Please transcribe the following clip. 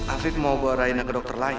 afif mau ke dokter lain